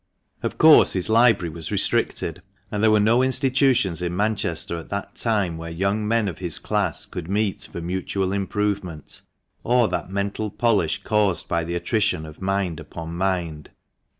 Of course his library was restricted, and there were no institutions in Manchester at that time where young men of his class could meet for mutual improvement, or that mental polish caused by the attrition of mind upon mind.